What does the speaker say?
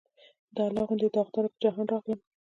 د الله غوندې داغدار پۀ جهان راغلم